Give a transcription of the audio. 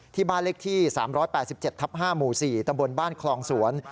ที่บ้านเลขที่๓๘๗ทับ๕หมู่๔ตำบลบ้านคลองสวน